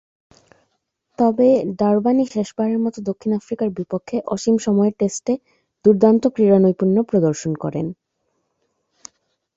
তবে, ডারবানে শেষবারের মতো দক্ষিণ আফ্রিকার বিপক্ষে অসীম সময়ের টেস্টে দূর্দান্ত ক্রীড়ানৈপুণ্য প্রদর্শন করেন।